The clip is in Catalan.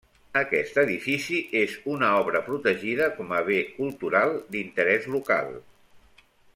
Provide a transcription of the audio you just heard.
Aquest edifici és una obra protegida com a Bé Cultural d'Interès Local.